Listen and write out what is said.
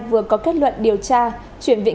vừa có kết luận điều tra chuyển viện